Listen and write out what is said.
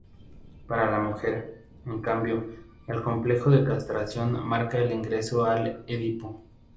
Para la mujer, en cambio, el complejo de castración marca el ingreso al Edipo.